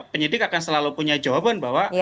penyidik akan selalu punya jawaban bahwa